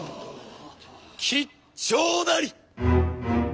吉兆なり！